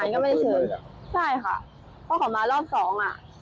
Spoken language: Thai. ใช่ค่ะเขาขอมารอบสองอ่ะ